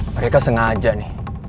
mereka sengaja nih